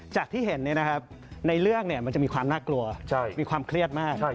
ที่เห็นในเรื่องมันจะมีความน่ากลัวมีความเครียดมาก